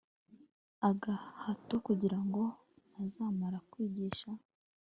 agahato kugira ngo ntazamara kwigisha